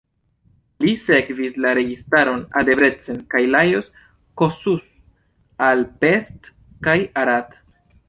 Li sekvis la registaron al Debrecen kaj Lajos Kossuth al Pest kaj Arad.